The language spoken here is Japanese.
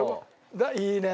いいね。